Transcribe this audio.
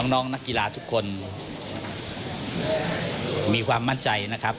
น้องนักกีฬาทุกคนมีความมั่นใจนะครับ